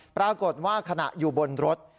ปรากฏว่าขณะอยู่บนรถ